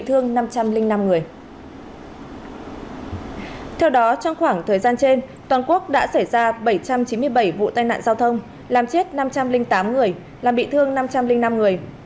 theo đó trong khoảng thời gian trên toàn quốc đã xảy ra bảy trăm chín mươi bảy vụ tai nạn giao thông làm chết năm trăm linh tám người làm bị thương năm trăm linh năm người